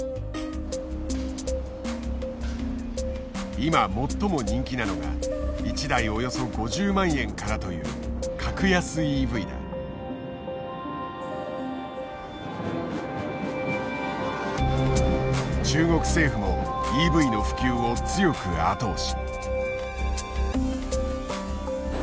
今最も人気なのが１台およそ５０万円からという中国政府もＥＶの普及を強く後押し。